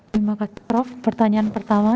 terima kasih prof pertanyaan pertama